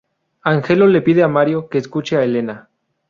Angelo le pide a Mario que escuche a Elena.